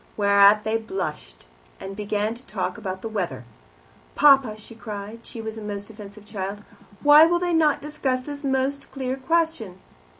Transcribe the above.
Whereat they blushed, and began to talk about the weather. "Papa" she cried she was a most offensive child "why will they not discuss this most clear question?"